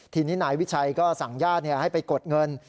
ทีนี้นายวิชัยก็สั่งญาติให้ไปกดเงิน